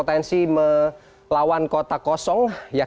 ini ada tiga